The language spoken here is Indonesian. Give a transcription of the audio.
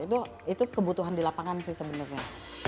itu kebutuhan di lapangan sih sebenarnya